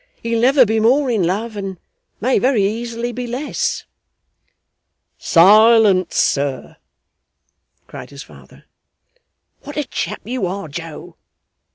'He'll never be more in love, and may very easily be less.' 'Silence, sir!' cried his father. 'What a chap you are, Joe!